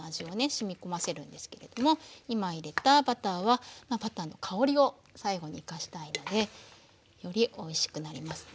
しみ込ませるんですけれども今入れたバターはバターの香りを最後に生かしたいのでよりおいしくなりますね。